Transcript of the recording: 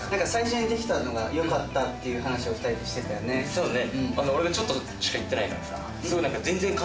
そうね。